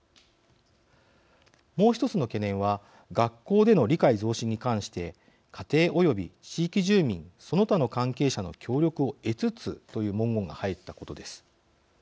もう１つの懸念は学校での理解増進に関して家庭および地域住民その他の関係者の協力を得つつという文言が入ったことです。